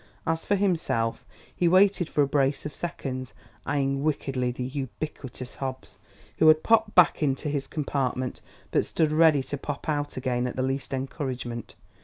As for himself, he waited for a brace of seconds, eying wickedly the ubiquitous Hobbs, who had popped back into his compartment, but stood ready to pop out again on the least encouragement.